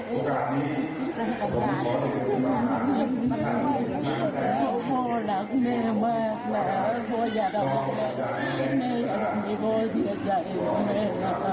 พ่อรักแม่มากมันใหญ่แล้วพ่ออยากน้องให้มันได้รักให้โบนดีใจแหละแม่